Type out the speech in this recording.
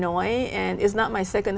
nếu là gia đình cần